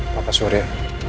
papa suruh dia